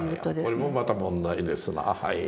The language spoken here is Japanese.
これもまた問題ですなはい。